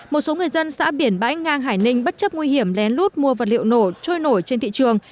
một số người dân xã biển bãi ngang hải ninh bất chấp nguy hiểm lén lút mua vật liệu nổ trôi nổi trên thị trường